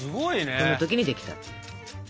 その時にできた。